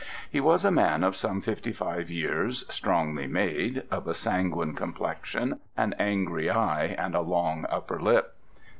He was a man of some fifty five years, strongly made, of a sanguine complexion, an angry eye, and a long upper lip.